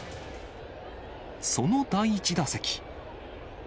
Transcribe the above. その第１打席。